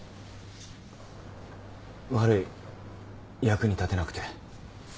悪い役に立てなくて。